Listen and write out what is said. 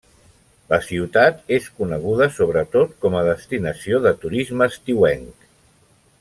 La ciutat és coneguda, sobretot, com a destinació de turisme estiuenc.